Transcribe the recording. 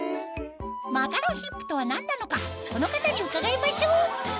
マカロンヒップとは何なのかこの方に伺いましょう！